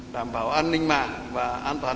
đảm bảo an ninh mạng và an toàn